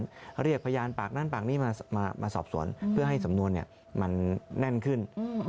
เรียกพยานปากนั้นปากนี้มาสอบสวนเพื่อให้สำนวนมันแน่นขึ้น